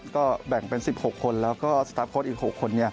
ก็แบ่งเป็น๑๖คนแล้วก็สตาร์ฟโค้ดอีก๖คน